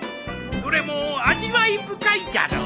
どれも味わい深いじゃろ？